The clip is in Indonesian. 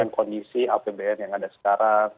dengan kondisi apbn yang ada sekarang